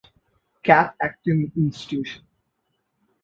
Kat acting institution.